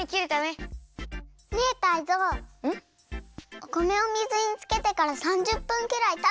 お米を水につけてから３０分くらいたったよ！